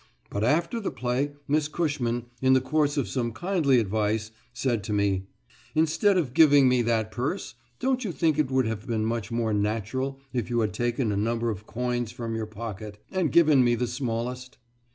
But after the play Miss Cushman, in the course of some kindly advice, said to me: "Instead of giving me that purse, don't you think it would have been much more natural if you had taken a number of coins from your pocket, and given me the smallest?